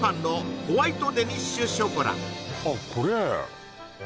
あっこれ？